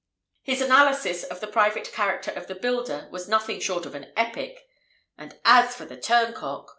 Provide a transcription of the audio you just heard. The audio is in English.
"His analysis of the private character of the builder was nothing short of an epic; and as for the turncock!